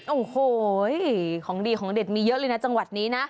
โอ้โหของดีของเด็ดมีเยอะเลยนะจังหวัดนี้นะ